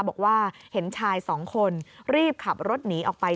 บอกว่าเห็นชายสองคนรีบขับรถหนีออกไป